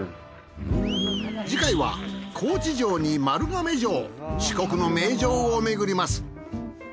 次回は高知城に丸亀城四国の名城をめぐります。